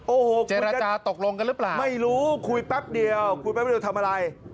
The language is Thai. โอ้โหคุณจะตกลงกันหรือเปล่าไม่รู้คุยแป๊บเดียวคุยแป๊บเดียวทำอะไร